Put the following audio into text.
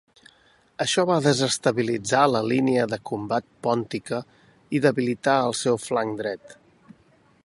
Això va desestabilitzar la línia de combat pòntica i debilitar el seu flanc dret.